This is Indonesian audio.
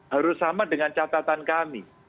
harus sama dengan catatan kami